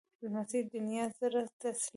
لمسی د نیا زړه تسلوي.